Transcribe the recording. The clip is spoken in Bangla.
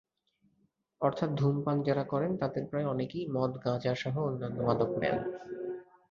অর্থাৎ ধূমপান যাঁরা করেন, তাঁদের প্রায় অনেকেই মদ, গাঁজাসহ অন্যান্য মাদক নেন।